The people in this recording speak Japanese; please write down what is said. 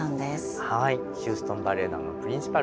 ヒューストン・バレエ団のプリンシパルですね。